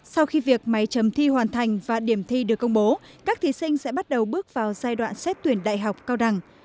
sau khi việc máy chấm thi hoàn thành và điểm thi được công bố các thí sinh sẽ bắt đầu bước vào giai đoạn xét tuyển đại học cao đẳng